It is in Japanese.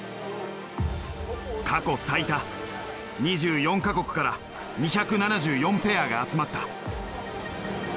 過去最多２４か国から２７４ペアが集まった。